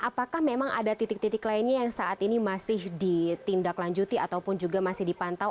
apakah memang ada titik titik lainnya yang saat ini masih ditindaklanjuti ataupun juga masih dipantau